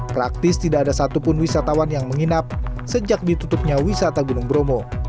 praktis tidak ada satupun wisatawan yang menginap sejak ditutupnya wisata gunung bromo